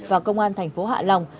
và công an thành phố hạ long